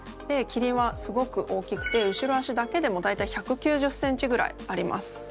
キリンはすごく大きくて後ろ足だけでも大体１９０ｃｍぐらいあります。